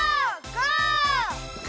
ゴー！